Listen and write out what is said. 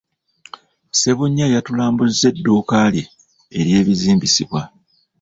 Ssebunya yatulambuzza edduuka lye ery'ebizimbisibwa.